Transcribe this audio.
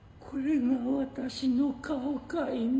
これが私の顔かい。